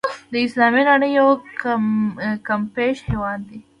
د اسلامي نړۍ یو کمپېښ هېواد دی.